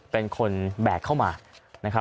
เป็นคนแบกเข้ามา